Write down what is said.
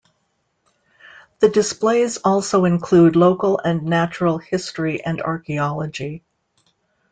The displays also include local and natural history and archaeology.